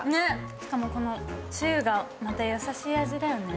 しかも、この汁がまた優しい味だよね。